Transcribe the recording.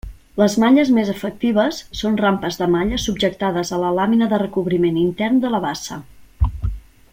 Les malles més efectives són rampes de malla subjectades a la làmina de recobriment intern de la bassa.